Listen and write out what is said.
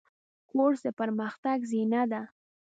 کورس د پرمختګ زینه ده.